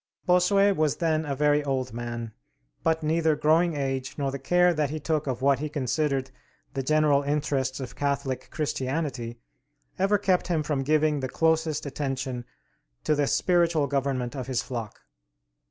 Bossuet was then a very old man, but neither growing age nor the care that he took of what he considered the general interests of Catholic Christianity ever kept him from giving the closest attention to the spiritual government of his flock.